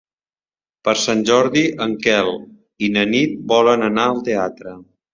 Per Sant Jordi en Quel i na Nit volen anar al teatre.